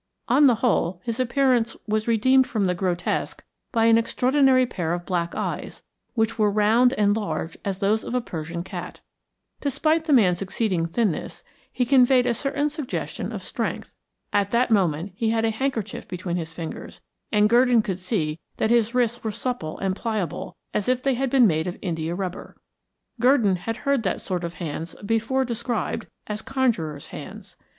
On the whole his appearance was redeemed from the grotesque by an extraordinary pair of black eyes, which were round and large as those of a Persian cat. Despite the man's exceeding thinness, he conveyed a certain suggestion of strength. At that moment he had a handkerchief between his fingers, and Gurdon could see that his wrists were supple and pliable as if they had been made of india rubber. Gurdon had heard that sort of hands before described as conjurer's hands.